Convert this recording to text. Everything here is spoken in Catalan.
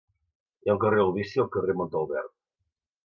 Hi ha un carril bici al carrer Mont Albert.